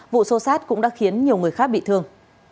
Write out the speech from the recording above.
vụ sô sát cũng đã khiến nhiều người khác bị thương